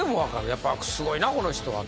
やっぱすごいなこの人はって。